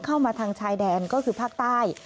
เข้ามาทางชายแดนก็คือภาคใต้